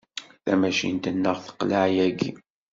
Tamacint-nneɣ teqleɛ yagi.